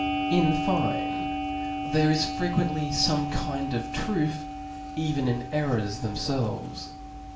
In fine, there is frequently fome kind of truth even in errors themfelves.